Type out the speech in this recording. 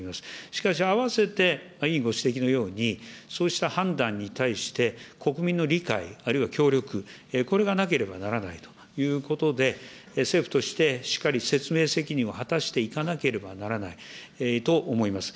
しかし、合わせて委員ご指摘のように、そうした判断に対して、国民の理解、あるいは協力、これがなければならないということで、政府としてしっかり説明責任を果たしていかなければならないと思います。